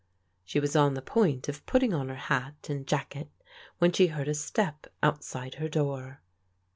She was on the point of putting on her hat and jacket when she heard a step outside her door.